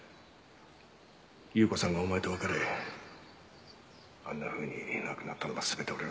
有雨子さんがお前と別れあんなふうに亡くなったのは全て俺のせいだ。